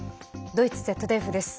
ドイツＺＤＦです。